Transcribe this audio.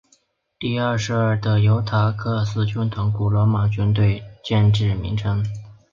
第二十二德尤塔卢斯军团古罗马军队建制名称。